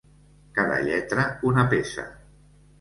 Cada lletra, una peça.